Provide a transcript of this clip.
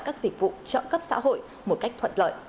các dịch vụ trợ cấp xã hội một cách thuận lợi